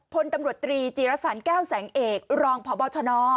พลตำรวจตรีจีรสรรแก้วแสงเอกรองพบชน